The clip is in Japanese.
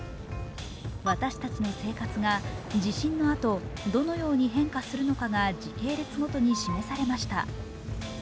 私たちの生活が地震のあとどのように変化するのかが時系列ごとに示されました。